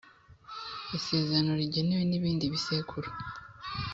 isezerano rigenewe n’ibindi bisekuru